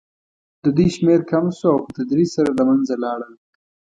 د دوی شمېر کم شو او په تدریج سره له منځه لاړل.